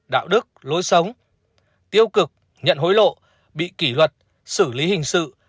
đạo đức lối sống tiêu cực nhận hối lộ bị kỷ luật xử lý hình sự